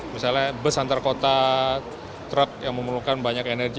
misalnya bus antar kota truk yang memerlukan banyak energi